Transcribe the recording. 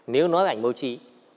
nếu nói ảnh báo chí